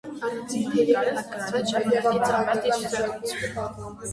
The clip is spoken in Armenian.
Առանձին թև է հատկացված ժամանակակից արվեստի ցուցադրությանը։